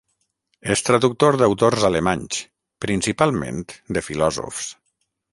És traductor d'autors alemanys, principalment de filòsofs.